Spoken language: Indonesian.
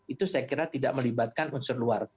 itu saya kira tidak melibatkan unsur luar